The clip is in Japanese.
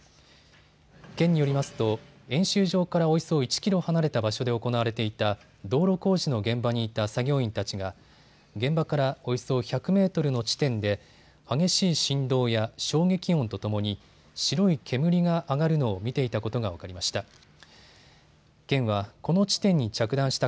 県によりますと演習場からおよそ１キロ離れた場所で行われていた道路工事の現場にいた作業員たちが現場からおよそ１００メートルの地点で激しい振動や衝撃音とともに白い煙が上がるのを見ていたことが分かりました。